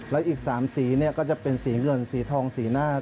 และอีก๓สีก็จะเป็นสีเงินสีทองสีหน้า